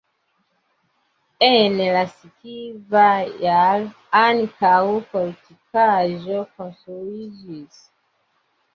En la sekva jaro ankaŭ fortikaĵo konstruiĝis.